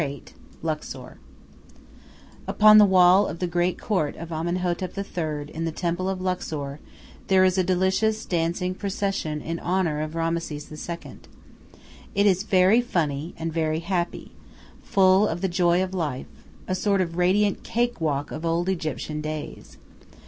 VIII LUXOR Upon the wall of the great court of Amenhotep III. in the temple of Luxor there is a delicious dancing procession in honor of Rameses II. It is very funny and very happy; full of the joy of life a sort of radiant cake walk of old Egyptian days.